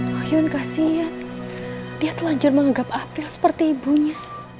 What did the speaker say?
uyun kasian dia telanjur mengagap apil seperti ibunya